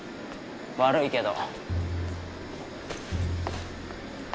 悪いけど。